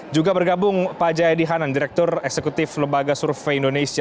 juga bergabung pak jayadi hanan direktur eksekutif lembaga survei indonesia